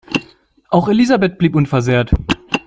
Auch Elisabeth bleibt unversehrt.